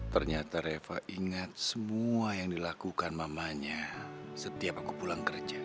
ternyata reva ingat semua yang dilakukan mamanya setiap aku pulang kerja